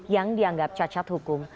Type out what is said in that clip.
yang dianggap cacat hukum